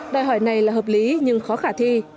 đòi hỏi này là hợp lý nhưng khó khả thi